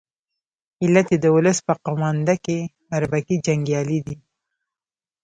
علت یې د ولس په قومانده کې اربکي جنګیالي دي.